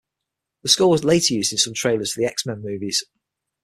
The score was later used in some trailers for the X-Men movies.